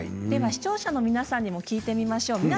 では視聴者の皆さんにも聞いてみましょう。